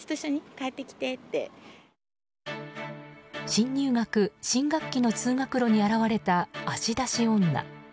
新入学・新学期の通学路に現れた、足出し女。